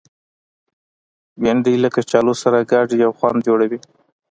بېنډۍ له کچالو سره ګډه یو خوند جوړوي